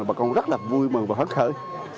bà con rất là vui mừng và hấn khởi